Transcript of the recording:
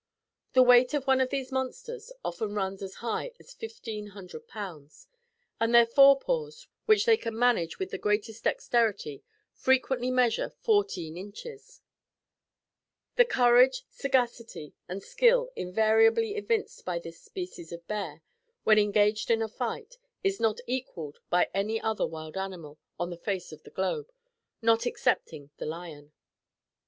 The weight of one of these monsters often runs as high as fifteen hundred pounds; and, their fore paws, which they can manage with the greatest dexterity, frequently measure fourteen inches. The courage, sagacity and skill invariably evinced by this species of bear, when engaged in a fight, is not equaled by any other wild animal on the face of the globe, not excepting the lion.